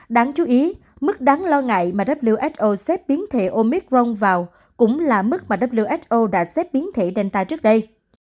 đáng chú ý mức đáng lo ngại mà wso xếp biến thể omicron vào cũng là mức mà wso đã xếp biến thể delta trước đây